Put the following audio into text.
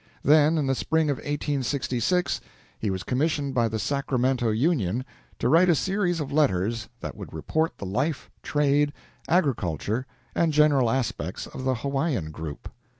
Then, in the spring of 1866 he was commissioned by the "Sacramento Union" to write a series of letters that would report the life, trade, agriculture, and general aspects of the Hawaiian group.